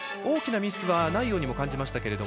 大きなミスはないようにも感じましたが。